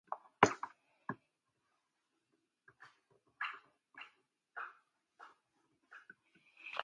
The third assumption is the relative nature of power.